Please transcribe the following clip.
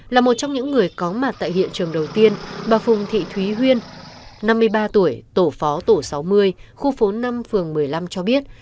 là một trong những người có mặt tại hiện trường đầu tiên bà phùng thị thúy huyên năm mươi ba tuổi tổ phó tổ sáu mươi khu phố năm phường một mươi năm cho biết